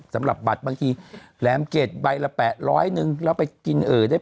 สำหรับบัตรบางทีแหลมเกร็ดใบละแปะร้อยหนึ่งแล้วไปกินได้